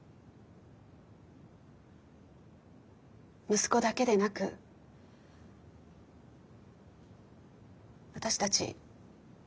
息子だけでなく私たち